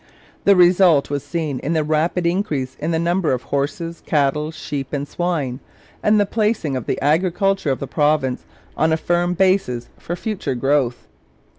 The result was seen in the rapid increase in the number of horses, cattle, sheep, and swine, and the placing of the agriculture of the province on a firm basis for future growth.